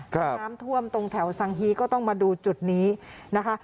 น้ำท่วมตรงแถวสังฮีก็ต้องมาดูจุดนี้นะคะ